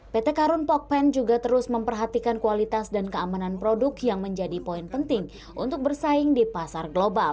pt karun pokpen juga terus memperhatikan kualitas dan keamanan produk yang menjadi poin penting untuk bersaing di pasar global